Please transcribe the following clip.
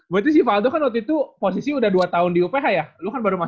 berarti sih faldo kan waktu itu posisi udah dua tahun di uph ya lu kan baru masuk